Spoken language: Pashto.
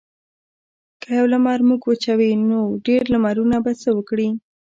که یو لمر موږ وچوي نو ډیر لمرونه به څه وکړي.